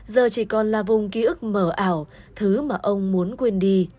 giờ chỉ còn là vùng ký ức mở ảo thứ mà ông muốn quên đi